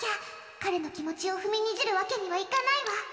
彼の気持ちを踏みにじるわけにはいかないわ。